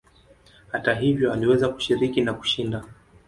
Hata hivyo aliweza kushiriki na kushinda.